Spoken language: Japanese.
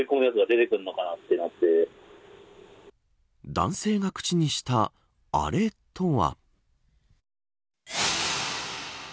男性が口にしたアレとは。